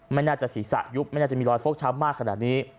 ไม่น่าจะศีรษะยุบไม่น่าจะมีรอยฟกช้ำมากขนาดนี้